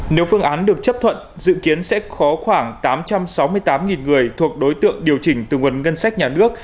nếu phương án được chấp thuận dự kiến sẽ có khoảng tám trăm sáu mươi tám người thuộc đối tượng điều chỉnh từ nguồn ngân sách nhà nước